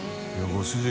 ご主人